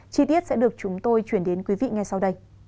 chi tiết sẽ được chúng tôi chuyển đến quý vị ngay sau đây